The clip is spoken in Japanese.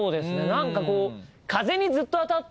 何かこう。